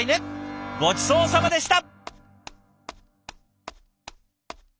ごちそうさまでした！